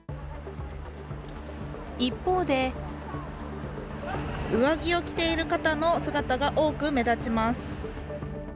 一方で上着を着ている方の姿が多く目立ちます。